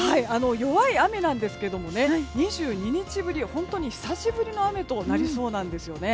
弱い雨なんですけど２２日ぶり、本当に久しぶりの雨となりそうなんですね。